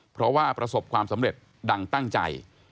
เพราะว่าประสบความสำเร็จดังตั้งใจ